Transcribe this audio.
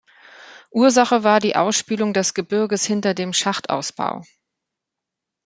Ursache war die Ausspülung des Gebirges hinter dem Schachtausbau.